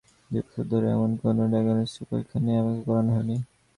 দুই বছর ধরে এমন কোনো ডায়াগনস্টিক পরীক্ষা নেই, আমাকে করানো হয়নি।